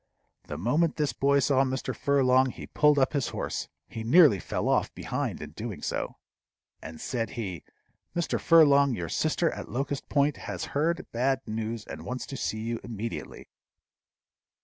The moment this boy saw Mr. Furlong, he pulled up his horse he nearly fell off behind in doing so and said he, "Mr. Furlong, your sister at Locust Point has heard bad news, and wants to see you immediately."